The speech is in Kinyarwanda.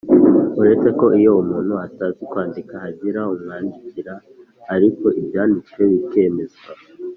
uretse ko iyo umuntu atazi kwandika hagira umwandikira, ariko ibyanditswe bikemezwa